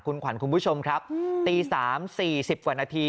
คุณขวัญคุณผู้ชมครับตี๓๔๐กว่านาที